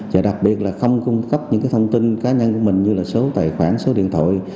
và đặc biệt là không cung cấp những thông tin cá nhân của mình như là số tài khoản số điện thoại